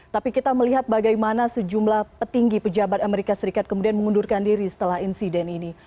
tapi kita melihat bagaimana sejumlah petinggi pejabat amerika serikat kemudian mengundurkan diri setelah insiden ini